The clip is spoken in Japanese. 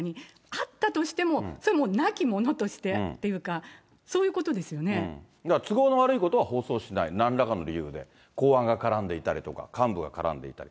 あったとしてもそれはなきものとしてっていうか、そういうことで都合の悪いことは放送しない、なんらかの理由で、公安が絡んでいたりとか、幹部が絡んでいたり。